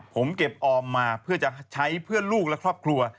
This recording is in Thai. ผมเก็บออมมาเพื่อจะใช้เพื่อลูกและครอบครัว